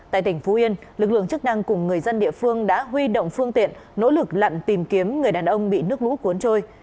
tại tỉnh phú yên lực lượng chức năng cùng người dân địa phương đã huy động phương tiện nỗ lực lặn tìm kiếm người đàn ông bị nước lũ cuốn trôi